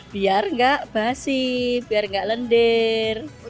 biar tidak basi biar tidak lendir